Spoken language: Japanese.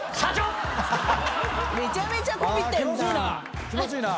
めちゃめちゃこびてんな。